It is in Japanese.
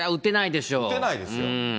打てないですよ。